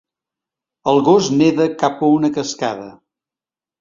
El gos neda cap a una cascada.